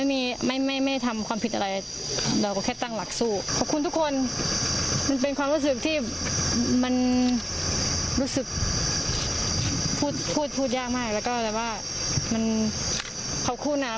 มันเป็นความรู้สึกที่มันรู้สึกพูดพูดพูดยากมากแล้วก็เลยว่ามันขอบคุณอ่ะ